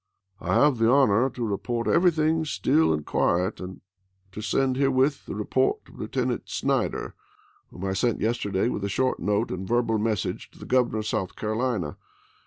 I have the honor to report everything still and quiet, and to send herewith the report of Lieutenant Snyder, whom I sent yesterday with a short note and verbal mes sage to the Governor of South Carohna.